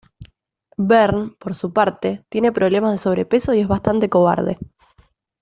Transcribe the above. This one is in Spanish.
Vern, por su parte, tiene problemas de sobrepeso y es bastante cobarde.